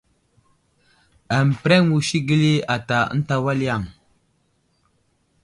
Aməpəreŋ musi gəli ata ənta wal yaŋ.